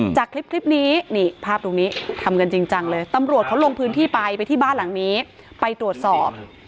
จากคลิปนี้นี่ภาพตรงนี้ทำกันจริงจังเลยตำรวจเขาลงพื้นที่ไปไปที่บ้านหลังนี้ไปตรวจสอบ